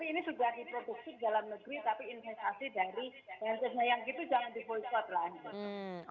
tapi ini sudah diproduksi di dalam negeri tapi investasi dari perancisnya yang gitu jangan di boycott lah